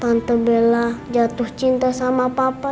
santa bella jatuh cinta sama papa